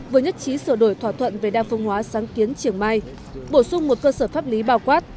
vừa nhất trí sửa đổi thỏa thuận về đa phương hóa sáng kiến trường mai bổ sung một cơ sở pháp lý bao quát